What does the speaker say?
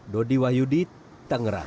dodi wahyudi tangerang